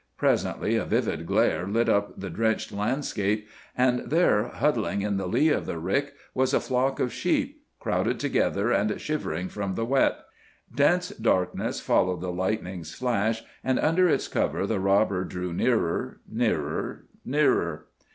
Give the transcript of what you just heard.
Presently a vivid glare lit up the drenched landscape, and there, huddling in the lee of the rick, was a flock of sheep, crowded together and shivering from the wet. Dense darkness followed the lightning's flash, and under its cover the robber drew nearer, nearer, nearer.